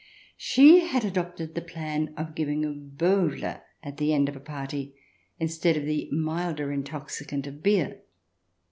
She had adopted the plan of giving a Bowie at the end of a party, instead of the milder intoxicant of beer.